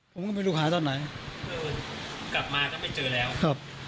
ผมก็ไม่รู้หาตอนไหนเออกลับมาก็ไม่เจอแล้วครับ